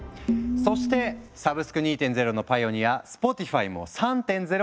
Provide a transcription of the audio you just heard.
そしてサブスク２．０のパイオニアスポティファイも３．０を目指している。